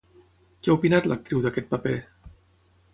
Què ha opinat l'actriu d'aquest paper?